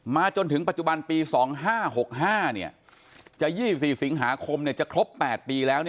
จนถึงปัจจุบันปี๒๕๖๕จะ๒๔สิงหาคมจะครบ๘ปีแล้ว